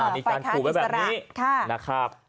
มีการคุมแบบนี้นะครับ